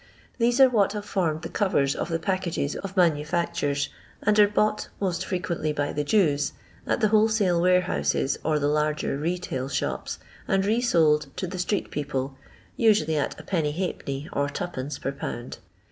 These are what have formed the covers of the packoges of manufactures, and are bought (most frequently by the Jews) at the wholesale warehouses or the larger retail shops, and re sold to the street people, usually at \\d, and 2d, per pound.